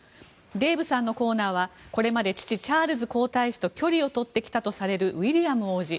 デーブさんのコーナーはこれまで父・チャールズ皇太子と距離を取ってきたとされるウィリアム王子。